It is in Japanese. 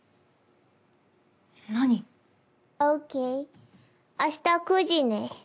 何？ＯＫ．明日９時ね。